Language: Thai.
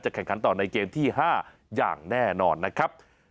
แข่งขันต่อในเกมที่๕อย่างแน่นอนนะครับ